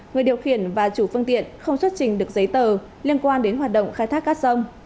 người điều khiển và chủ phương tiện không xuất trình được giấy tờ liên quan đến hoạt động khai thác cát sông